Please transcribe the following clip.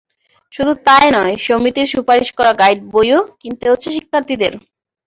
শুধু তা-ই নয়, সমিতির সুপারিশ করা গাইড বইও কিনতে হচ্ছে শিক্ষার্থীদের।